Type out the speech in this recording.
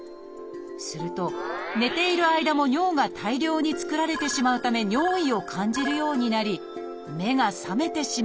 すると寝ている間も尿が大量に作られてしまうため尿意を感じるようになり目が覚めてしまうのです。